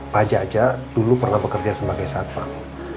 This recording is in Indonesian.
pak jaja dulu pernah bekerja sebagai satpam